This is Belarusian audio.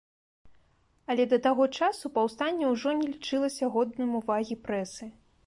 Але да таго часу паўстанне ўжо не лічылася годным увагі прэсы.